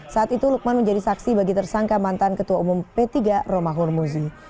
saat itu lukman menjadi saksi bagi tersangka mantan ketua umum p tiga romahur muzi